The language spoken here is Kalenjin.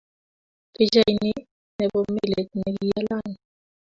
Picha ini nepo melit nekialany.